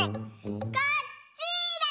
・こっちだよ！